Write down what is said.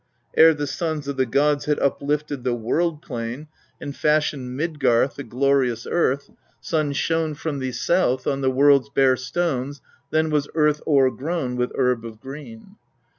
ere the sons of the god had uplifted the world plain, and fashioned Midgarth, the glorious Earth. Sun shone from the south, on the world's bare stones then was Earth o'crgrown with herb of green.